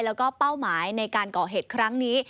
แล้วก็เป้าหมายในการก่อเหตุครั้งนี้